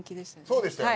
そうでしたよね？